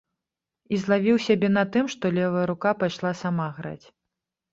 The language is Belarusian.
І злавіў сябе на тым, што левая рука пайшла сама граць.